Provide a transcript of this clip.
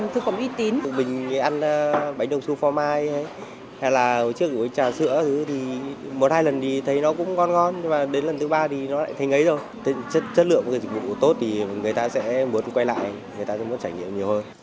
thực phẩm thì mình cũng sẽ chọn những nguồn thực phẩm uy tín